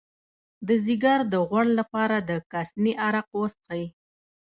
د ځیګر د غوړ لپاره د کاسني عرق وڅښئ